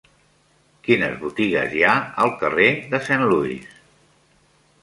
Quines botigues hi ha al carrer de Saint Louis?